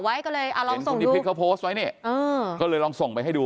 แต่ก็เห็นคุณนิพิษเขาโพสต์ไว้เนี่ยก็เลยลองส่งไปให้ดู